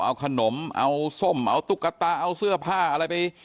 เอาขนมเอาส้มเอาตุ๊กตาเอาเสื้อผ้าอะไรไป